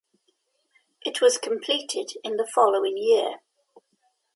It was completed in the following year.